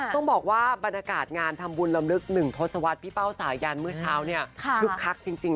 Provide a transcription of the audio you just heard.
ต้องบอกว่าบรรยากาศงานทำบุญลำลึก๑ทศวรรษพี่เป้าสายันเมื่อเช้าเนี่ยคึกคักจริง